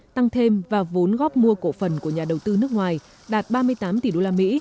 tăng thêm và vốn góp mua cổ phần của nhà đầu tư nước ngoài đạt ba mươi tám tỷ đô la mỹ